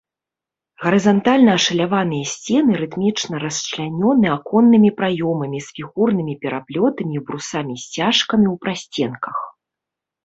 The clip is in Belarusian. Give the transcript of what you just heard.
Гарызантальна ашаляваныя сцены рытмічна расчлянёны аконнымі праёмамі з фігурнымі пераплётамі і брусамі-сцяжкамі ў прасценках.